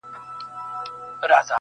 دې وطن کاڼي – گیا ته په ضرر نه یم، خو~